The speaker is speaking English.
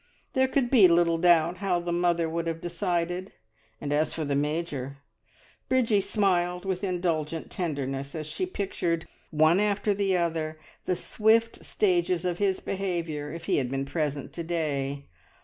There could be little doubt how the mother would have decided, and as for the Major, Bridgie smiled with indulgent tenderness as she pictured, one after the other, the swift stages of his behaviour if he had been present to day.